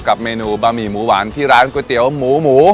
เมนูบะหมี่หมูหวานที่ร้านก๋วยเตี๋ยวหมูหมู